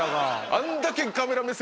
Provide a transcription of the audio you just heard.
あんだけ。